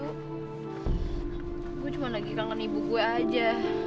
saya cuma lagi kangen ibu saya saja